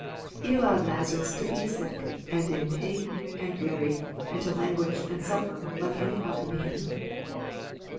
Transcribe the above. He allowed Lazarus to be sick, and in pain, and weary, and to languish and suffer like any other man."